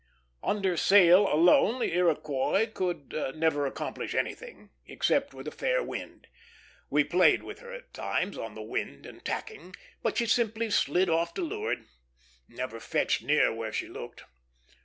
Under sail alone the Iroquois could never accomplish anything, except with a fair wind. We played with her at times, on the wind and tacking, but she simply slid off to leeward never fetched near where she looked.